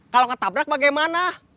kalau ketabrak bagaimana